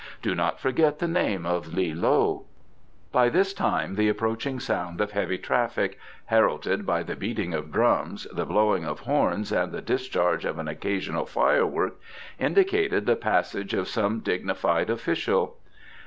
Do not forget the name of Li loe." By this time the approaching sound of heavy traffic, heralded by the beating of drums, the blowing of horns and the discharge of an occasional firework, indicated the passage of some dignified official.